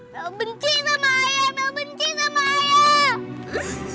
mel benci sama ayah mel benci sama ayah